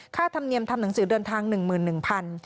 ธรรมเนียมทำหนังสือเดินทาง๑๑๐๐บาท